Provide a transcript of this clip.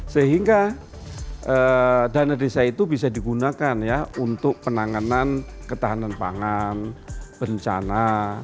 sehingga dana desa itu bisa digunakan ya untuk penanganan ketahanan pangan bencana